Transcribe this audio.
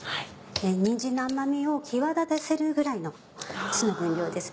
にんじんの甘みを際立たせるぐらいの酢の分量です。